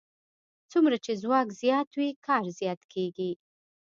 څومره چې ځواک زیات وي کار زیات کېږي.